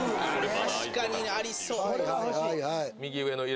確かにありそうはい